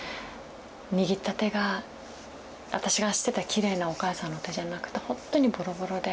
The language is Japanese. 握った手が私が知ってたきれいなお母さんの手じゃなくてほんとにボロボロで。